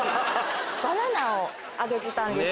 バナナをあげてたんです。